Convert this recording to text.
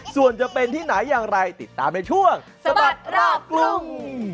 ส่วนจะเป็นที่ไหนอย่างไรติดตามในช่วงสะบัดรอบกรุง